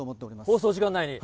放送時間内に？